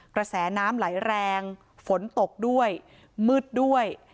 กระแสน้ำไหลแรงฝนตกด้วยมืดด้วย